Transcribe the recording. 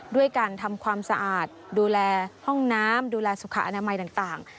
ด้วยการทำความสะอาดดูแลห้องน้ำดูแลสุขอนามัยต่าง